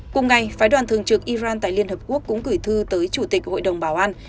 cùng ngày phái đoàn thường trực iran tại liên hợp quốc cũng gửi thư tới chủ tịch hội đồng bảo an